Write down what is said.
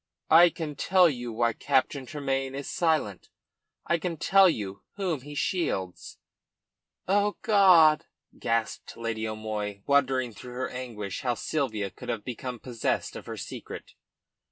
"I can tell you why Captain Tremayne is silent. I can tell you whom he shields." "Oh God!" gasped Lady O'Moy, wondering through her anguish how Sylvia could have become possessed of her secret.